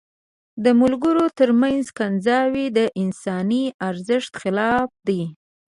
د ملګرو تر منځ کنځاوي د انساني ارزښت خلاف دي.